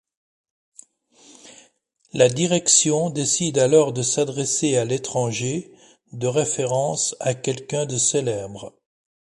La direction décide alors de s'adresser à l'étranger, de référence à quelqu'un de célèbre.